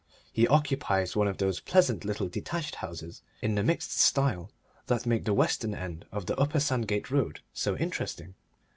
He occupies one of those pleasant little detached houses in the mixed style that make the western end of the Upper Sandgate Road so interesting.